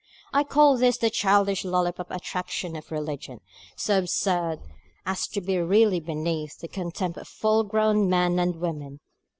I call this the childish lollipop attraction of religion, so absurd as to be really beneath the contempt of full grown men and women.